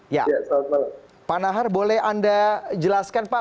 ya pak nahar boleh anda jelaskan pak